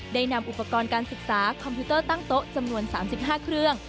ได้นำอุปกรณ์การศึกษาคอมพิวเตอร์ตั้งโต๊ะจำนวน๓๕เครื่อง